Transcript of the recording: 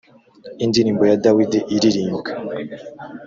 indirimbo ya dawidi iririmbwa